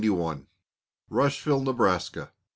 Rushville. Nebraska.